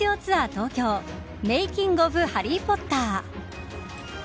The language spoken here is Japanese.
東京メイキング・オブ・ハリー・ポッター。